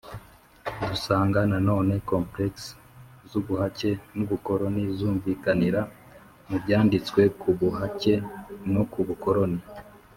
dusanga noneho "complexes" z'ubuhaken'ubukoloni zumvikanira mu byanditswe ku buhake no ku bukoloni.